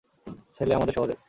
ছেলে আমাদের শহরের।